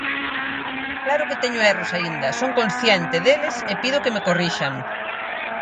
Claro que teño erros aínda, son consciente deles e pido que me corrixan.